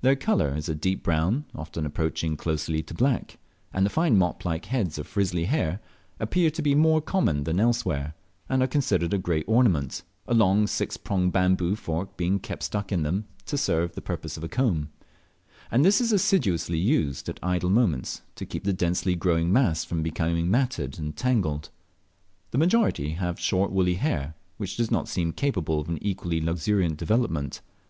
Their colour is a deep brown, often approaching closely to black, and the fine mop like heads of frizzly hair appear to be more common than elsewhere, and are considered a great ornament, a long six pronged bamboo fork being kept stuck in them to serve the purpose of a comb; and this is assiduously used at idle moments to keep the densely growing mass from becoming matted and tangled. The majority have short woolly hair, which does not seem capable of an equally luxuriant development.